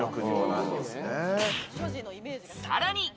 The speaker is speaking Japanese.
さらに。